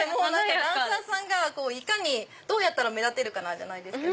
ダンサーさんがどうやったら目立てるかじゃないんですけど。